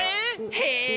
へえ。